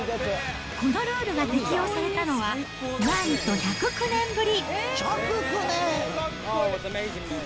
このルールが適用されたのは、なんと１０９年ぶり。